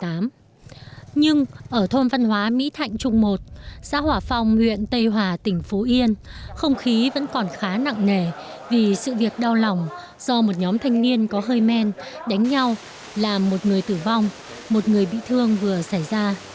trong thời gian hóa mỹ thạnh trung một xã hỏa phong nguyện tây hòa tỉnh phú yên không khí vẫn còn khá nặng nề vì sự việc đau lòng do một nhóm thanh niên có hơi men đánh nhau làm một người tử vong một người bị thương vừa xảy ra